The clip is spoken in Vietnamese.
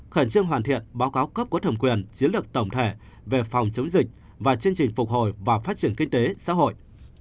khẩn trương hoàn thiện báo cáo cấp có thẩm quyền chiến lược tổng thể về phòng chống dịch và chương trình phục hồi và phát triển kinh tế xã hội